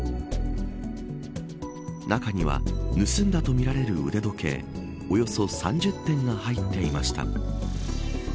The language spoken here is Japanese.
中には盗んだとみられる腕時計およそ３０点が入っていました。